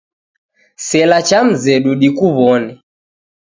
Sela cha mzedu dikuw'one.